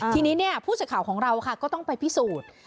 ทีนี้เนี่ยพูดสายเข่าของเราก็ต้องไปพิสูจน์